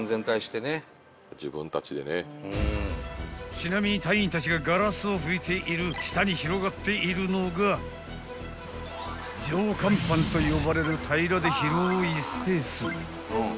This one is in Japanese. ［ちなみに隊員たちがガラスを拭いている下に広がっているのが上甲板と呼ばれる平らで広いスペース］